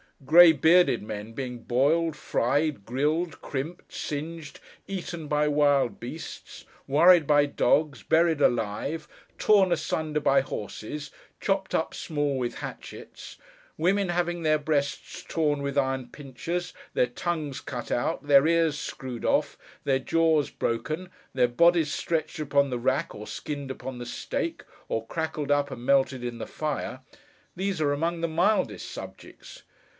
Grey bearded men being boiled, fried, grilled, crimped, singed, eaten by wild beasts, worried by dogs, buried alive, torn asunder by horses, chopped up small with hatchets: women having their breasts torn with iron pinchers, their tongues cut out, their ears screwed off, their jaws broken, their bodies stretched upon the rack, or skinned upon the stake, or crackled up and melted in the fire: these are among the mildest subjects.